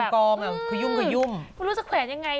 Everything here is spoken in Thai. มันคงเป็นกองอะคือยุ่งไม่รู้จะแขนยังไง